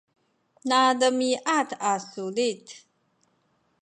nademiad a sulit